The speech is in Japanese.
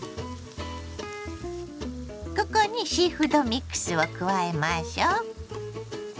ここにシーフードミックスを加えましょ。